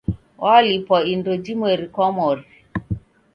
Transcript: Walipwa indo jimweri kwa mori.